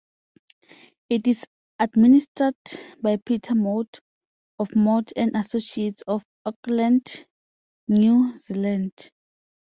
It is administered by Peter Mott of Mott and Associates of Auckland, New Zealand.